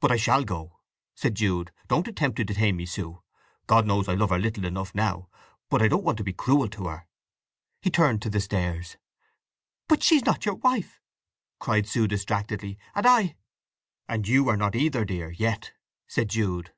"But I shall go," said Jude. "Don't attempt to detain me, Sue. God knows I love her little enough now, but I don't want to be cruel to her." He turned to the stairs. "But she's not your wife!" cried Sue distractedly. "And I—" "And you are not either, dear, yet," said Jude.